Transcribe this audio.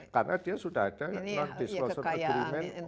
karena dia sudah ada non disclosure agreement